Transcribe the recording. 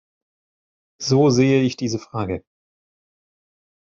So sehe ich diese Frage.